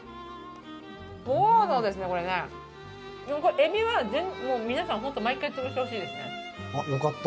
エビは皆さんホント、潰してほしいですね。